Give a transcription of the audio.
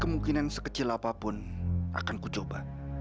kemungkinan sekecil apapun akan kucoba